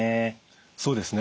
そうですね。